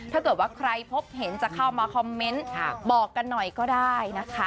ถ้าเกิดว่าใครพบเห็นจะเข้ามาคอมเมนต์บอกกันหน่อยก็ได้นะคะ